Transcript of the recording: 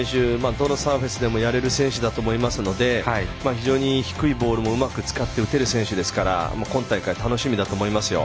どのサーフェスでもやれる選手だと思いますので非常に低いボールもうまく使って打てる選手ですから今大会、楽しみだと思いますよ。